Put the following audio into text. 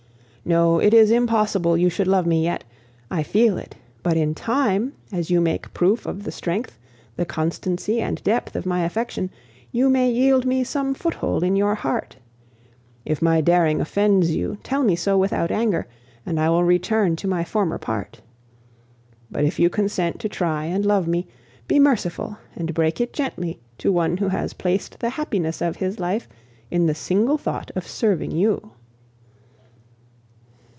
No, it is impossible you should love me yet I feel it; but in time, as you make proof of the strength, the constancy, and depth of my affection, you may yield me some foothold in your heart. If my daring offends you, tell me so without anger, and I will return to my former part. But if you consent to try and love me, be merciful and break it gently to one who has placed the happiness of his life in the single thought of serving you."